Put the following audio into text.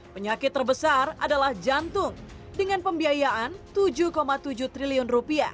penyakit terbesar adalah jantung dengan pembiayaan rp tujuh tujuh triliun